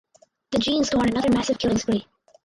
The jeans go on another massive killing spree.